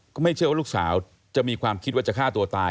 ก็ไม่เชื่อว่าลูกสาวจะมีความคิดว่าจะฆ่าตัวตาย